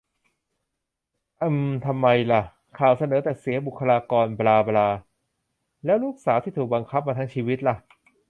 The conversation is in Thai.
อืม ทำไมล่ะ ข่าวเสนอแต่เสียบุคลากรบลาบลา แล้วลูกสาวที่ถูกบังคับมาทั้งชีวิตล่ะ